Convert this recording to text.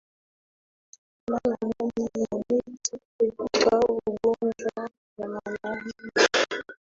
Lala ndani ya neti kuepuka ugonjwa ya malaria